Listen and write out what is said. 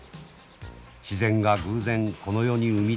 自然が偶然この世に生み出したニシキゴイ。